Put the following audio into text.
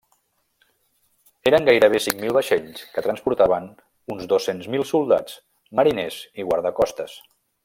Eren gairebé cinc mil vaixells que transportaven uns dos-cents mil soldats, mariners i guardacostes.